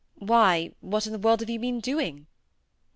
"Why, what in the world have you been doing?"